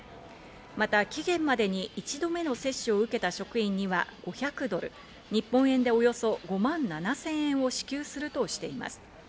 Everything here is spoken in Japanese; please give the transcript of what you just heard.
また、期限までに１度目の接種を受けた職員には５００ドル、日本円でおよそ５万７０００円を支給するとしています。